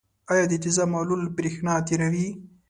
آیا د تیزاب محلول برېښنا تیروي؟